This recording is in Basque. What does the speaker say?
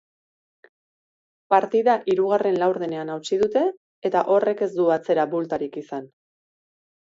Partida hirugarren laurdenean hautsi dute eta horrek ez du atzera bultarik izan.